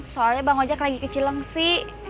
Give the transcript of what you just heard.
soalnya bang ojek lagi ke cilengsi